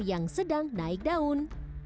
yang sedang naik daun